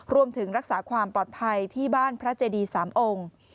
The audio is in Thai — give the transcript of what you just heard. รวมถึงรักษาความปลอดภัยที่บ้านพระเจดี๓องค์